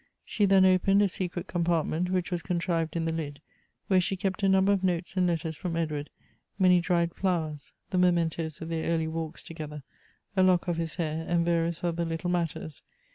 She then opened a secret compart ment, which was contrived in the lid, where she kept a number of notes ;ind letters from Edward, many dried flowers, the mementos of their early walks together, a lock of his hair, and various other little matters.